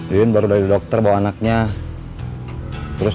yuyun baru dari dokter bawa anaknya ke rumah